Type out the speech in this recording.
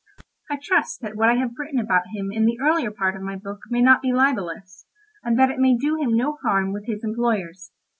I trust that what I have written about him in the earlier part of my book may not be libellous, and that it may do him no harm with his employers.